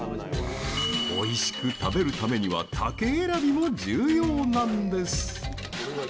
おいしく食べるためには竹選びも重要なんです。